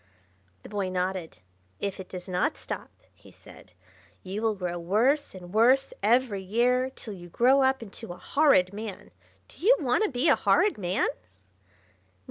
The boy nodded. "If it does not stop," he said, "you will grow worse and worse every year, till you grow up into a Horrid Man. Do you want to be a Horrid Man?"